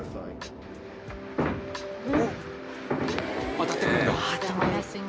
当たってくるんだ。